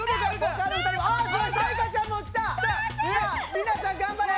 里奈ちゃん頑張れ！